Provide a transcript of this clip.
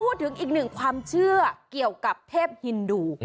พูดถึงอีกหนึ่งความเชื่อเกี่ยวกับเทพฮินดู